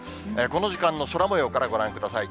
この時間の空もようからご覧ください。